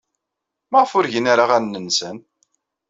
Maɣef ur gin ara aɣanen-nsen?